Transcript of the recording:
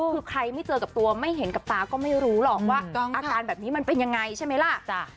คือใครไม่เจอกับตัวไม่เห็นกับตาก็ไม่รู้หรอกว่าอาการแบบนี้มันเป็นยังไงใช่ไหมล่ะ